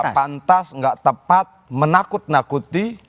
gak pantas gak tepat menakut nakuti